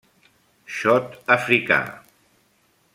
Xot africà.